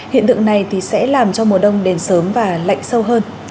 hiện tượng này thì sẽ làm cho mùa đông đến sớm và lạnh sâu hơn